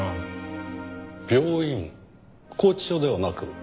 拘置所ではなく？